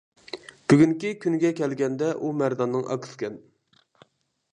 بۈگۈنكى كۈنگە كەلگەندە ئۇ مەرداننىڭ ئاكىسىكەن.